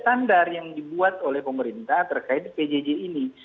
standar yang dibuat oleh pemerintah terkait pjj ini